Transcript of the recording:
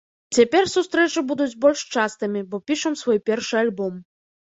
Цяпер сустрэчы будуць больш частымі, бо пішам свой першы альбом.